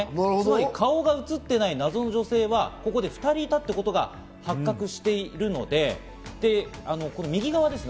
つまり顔が写っていない謎の女性はここで２人いたということが発覚しているので、右側ですね。